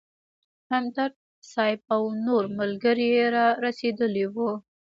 همدرد صیب او نور ملګري رارسېدلي وو.